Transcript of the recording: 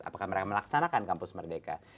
apakah mereka melaksanakan kampus merdeka